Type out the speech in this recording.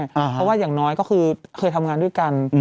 เพราะว่าอย่างน้อยก็คือเคยทำงานด้วยกัน